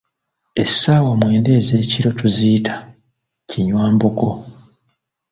Essaawa mwenda ez'ekiro tuziyita "Kinywambogo".